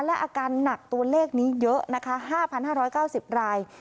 และอาการหนักตัวเลขนี้เยอะนะคะ๕๕๙๐ราย